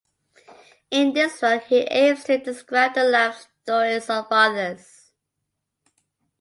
In this work he aims to describe the life stories of others.